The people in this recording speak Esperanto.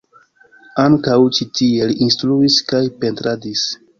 Ankaŭ ĉi tie li instruis kaj pentradis.